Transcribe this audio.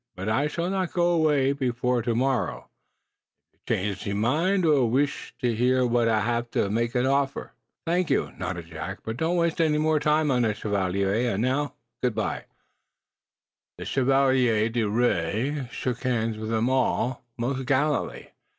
"But I shall not go away before to morrow. If you change ze mind or weesh to hear w'at I have to mek ze offer " "Thank you," nodded Jack. "But don't waste any more time on us, Chevalier. And now good bye!" The Chevalier d'Ouray shook hands with them all most gallantly.